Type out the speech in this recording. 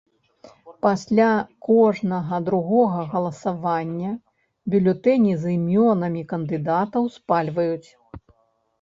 Пасля кожнага другога галасавання бюлетэні з імёнамі кандыдатаў спальваюць.